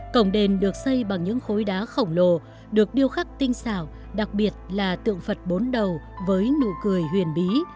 cổng đền được xây bằng những khối đá khổng lồ được điêu khắc tinh xảo đặc biệt là tượng phật bốn đầu với nụ cười huyền bí